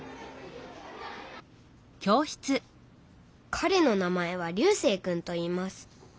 かれの名前は流星君といいます。